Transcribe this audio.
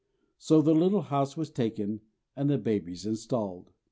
So the little house was taken and the babies installed.